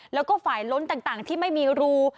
แล้วก็ฝ่ายล้นต่างที่ไม่มีรู